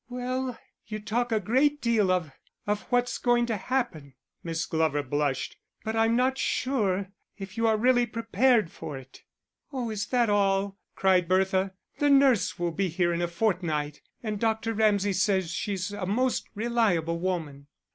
"Well, you talk a great deal of of what's going to happen" Miss Glover blushed "but I'm not sure if you are really prepared for it." "Oh, is that all?" cried Bertha. "The nurse will be here in a fortnight, and Dr. Ramsay says she's a most reliable woman."